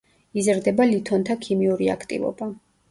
იზრდება ლითონთა ქიმიური აქტივობა.